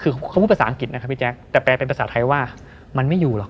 คือเขาพูดภาษาอังกฤษนะครับพี่แจ๊คแต่แปลเป็นภาษาไทยว่ามันไม่อยู่หรอก